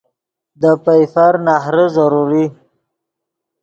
دے پئیفر نہرے ضروری